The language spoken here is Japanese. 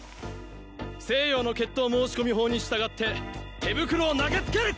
西洋の決闘申し込みほうに従って手袋を投げ付ける！